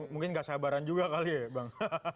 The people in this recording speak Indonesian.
mungkin gak sabaran juga kali ya bang